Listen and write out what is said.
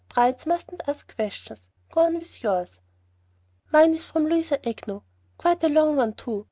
"Brides mustn't ask questions. Go on with yours." "Mine is from Louisa Agnew, quite a long one, too.